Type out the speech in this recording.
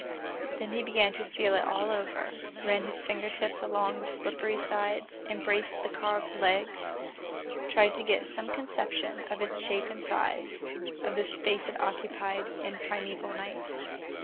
Then he began to feel it all over, ran his finger tips along the slippery sides, embraced the carved legs, tried to get some conception of its shape and size, of the space it occupied in primeval night.